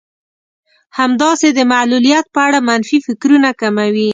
همداسې د معلوليت په اړه منفي فکرونه کموي.